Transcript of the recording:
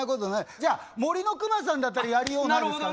じゃあ「森のくまさん」だったらやりようないですからね。